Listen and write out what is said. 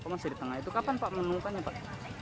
masih di tengah itu kapan pak menemukannya pak